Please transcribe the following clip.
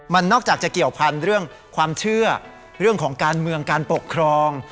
มันนอกจากจะเกี่ยวพันธุ์เรื่องความเชื่อเรื่องของการเมืองการปกครอง